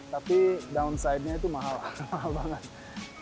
tapi downside nya itu mahal mahal banget